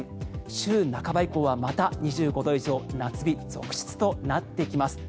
週半ば以降は、また２５度以上夏日続出となってきます。